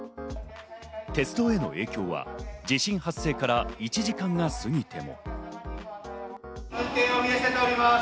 鉄道への影響は地震発生から１時間が過ぎても。